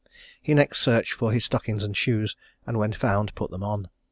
He next searched for his stockings and shoes, and when found, put them on.